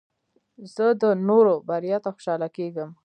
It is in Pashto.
زه د نورو بریا ته خوشحاله کېږم.